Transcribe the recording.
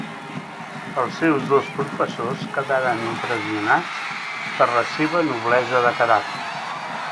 Els seus dos professors quedaren impressionats per la seva noblesa de caràcter.